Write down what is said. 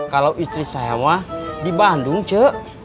kalau istri saya wah di bandung ce